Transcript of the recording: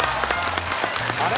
あれ？